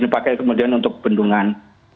dipakai kemudian untuk bendungan